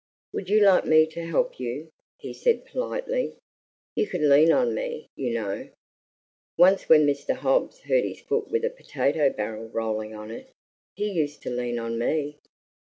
"Would you like me to help you?" he said politely. "You could lean on me, you know. Once when Mr. Hobbs hurt his foot with a potato barrel rolling on it, he used to lean on me."